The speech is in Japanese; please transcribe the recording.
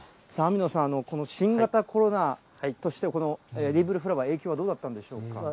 網野さん、この新型コロナ、そして、エディブルフラワー、影響はどうだったんでしょうか。